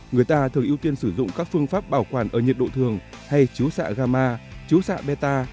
người ta thường ưu tiên sử dụng các phương pháp bảo quản ở nhiệt độ thường hay chứa sạ gamma chứa sạ beta